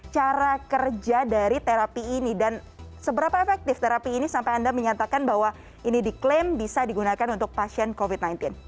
cara kerja dari terapi ini dan seberapa efektif terapi ini sampai anda menyatakan bahwa ini diklaim bisa digunakan untuk pasien covid sembilan belas